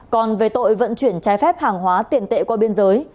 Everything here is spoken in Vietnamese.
còn về tội vận chuyển trái phép hàng hóa tiền tệ qua biên giới